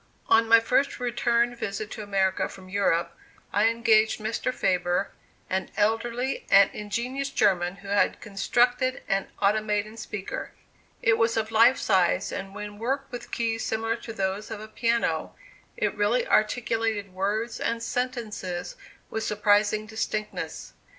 On my first return visit to America from Europe, I engaged Mr. Faber, an elderly and ingenious German, who had constructed an automaton speaker. It was of life size, and when worked with keys similar to those of a piano, it really articulated words and sentences with surprising distinctness.